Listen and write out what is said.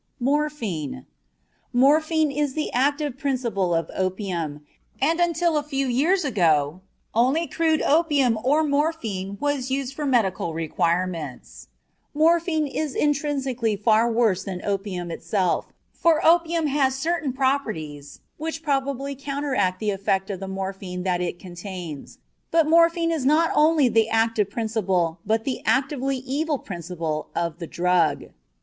MORPHINE Morphine is the active principle of opium, and until a few years ago only crude opium or morphine was used for medical requirements. Morphine is intrinsically far worse than opium itself, for opium has certain properties which partly counteract the effect of the morphine that it contains. But morphine is not only the active principle, but the actively evil principle, of the drug.